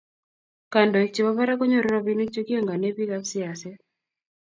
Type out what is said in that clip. kandoinik chebo barak konyoru robinik chegiongane bikaap siaset